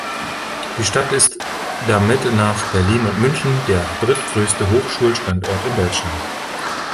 Die Stadt ist damit nach Berlin und München der drittgrößte Hochschulstandort in Deutschland.